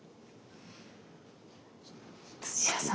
土屋さん